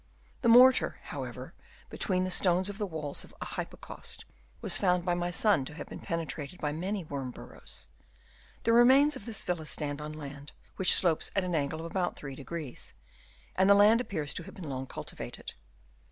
The mortar, however, between the stones of the walls of Chap. IV. OF ANCIENT BUILDINGS. 203 a hypocaust was found by my son to have been penetrated by many worm burrows. The remains of this villa stand on land which slopes at an angle of about 3° ; and the land appears to have been long cultivated.